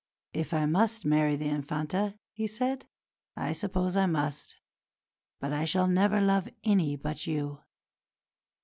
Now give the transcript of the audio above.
"If I must marry the Infanta," he said, "I suppose I must. But I shall never love any but you."